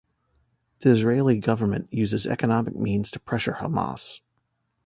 The Israeli government uses economic means to pressure Hamas.